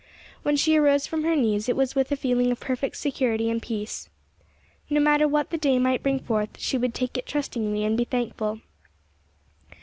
When she arose from her knees, it was with a feeling of perfect security and peace. No matter what the day might bring forth, she would take it trustingly, and be thankful.